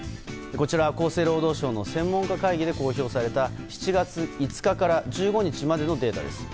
厚生労働省の専門家会議で公表された７月５日から１５日までのデータです。